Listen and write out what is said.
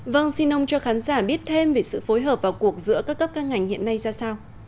vâng xin ông cho khán giả biết thêm về sự phối hợp vào cuộc giữa các cấp các ngành hiện nay ra sao